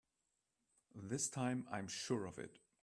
This time I'm sure of it!